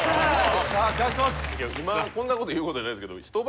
今こんなこと言うことじゃないですけど一番